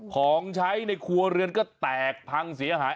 ของใช้ในครัวเรือนก็แตกพังเสียหาย